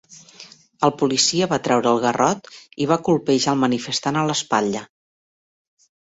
El policia va treure el garrot i va colpejar el manifestant a l'espatlla.